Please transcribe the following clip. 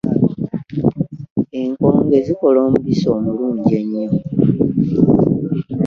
Enkooge zikola omubisi omulungi ennyo.